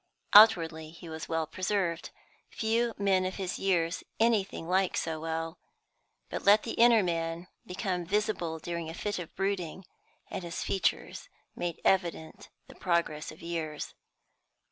Outwardly he was well preserved few men of his years anything like so well. But let the inner man become visible during a fit of brooding, and his features made evident the progress of years.